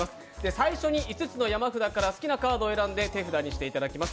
最初に５つの山札から好きなカードを選んで手札にしていただきます。